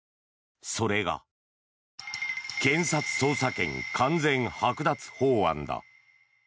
それが検察捜査権完全はく奪法案だ。